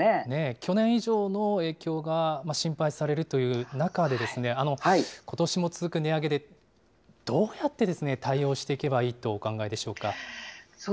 去年以上の影響が心配されるという中でですね、ことしも続く値上げで、どうやって対応していけばいいとお考えでしょうか。